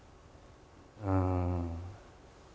うん。